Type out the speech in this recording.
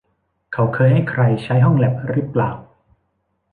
เขาเคยให้ใครใช้ห้องแลปรึเปล่า